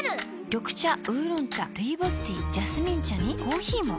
緑茶烏龍茶ルイボスティージャスミン茶にコーヒーも。